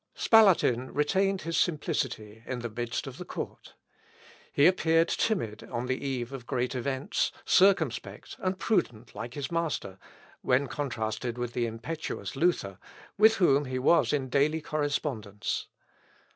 Spalatin retained his simplicity in the midst of the court. He appeared timid on the eve of great events, circumspect and prudent like his master, when contrasted with the impetuous Luther, with whom he was in daily correspondence.